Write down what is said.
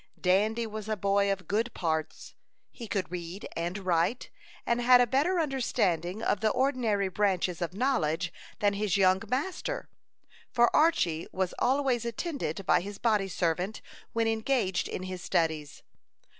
Dandy was a boy of good parts. He could read and write, and had a better understanding of the ordinary branches of knowledge than his young master, for Archy was always attended by his body servant when engaged in his studies.